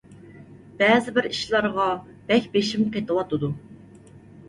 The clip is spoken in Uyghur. بەزىبىر ئىشلارغا بەك بېشىم قېتىۋاتىدۇ.